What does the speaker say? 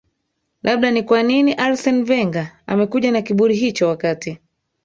labda ni kwa nini arsene venga amekuja na kiburi hicho wakati